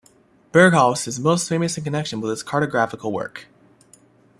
Berghaus is most famous in connection with his cartographical work.